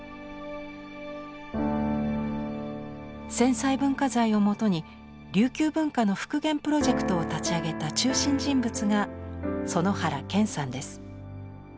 戦災文化財をもとに琉球文化の復元プロジェクトを立ち上げた中心人物が園原謙さんです。